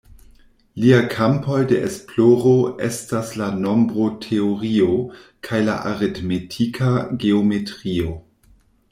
Lia kampoj de esploro estas la nombroteorio kaj la aritmetika geometrio.